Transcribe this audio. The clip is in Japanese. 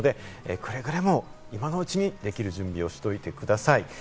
くれぐれも、今のうちにできる準備をしておいてください。